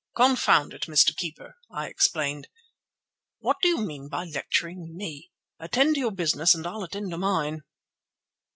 "Confound it, Mr. Keeper," I explained, "what do you mean by lecturing me? Attend to your business, and I'll attend to mine."